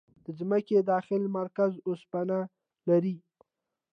د ځمکې داخلي مرکز اوسپنه لري.